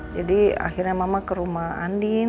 jadi akhirnya mama ke rumah andin